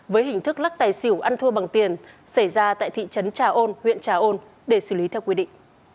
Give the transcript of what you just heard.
với hình thức lắc tài xỉu ăn thua bằng tiền xảy ra tại thị trấn trà ôn huyện trà ôn để xử lý theo quy định